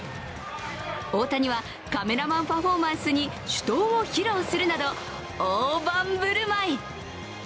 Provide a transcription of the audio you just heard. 大谷はカメラマンパフォーマンスに手刀を披露するなど大盤振る舞い。